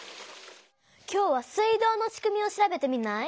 今日は水道のしくみを調べてみない？